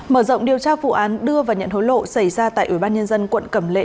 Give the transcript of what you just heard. mở rộng điều tra vụ án đưa và nhận hối lộ xảy ra tại ủy ban nhân dân quận cẩm lệ